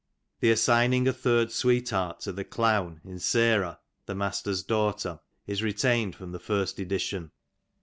The assigning a third sweetheart to the clown in "Seroh,'" the master's daughter, is retained from the first edition.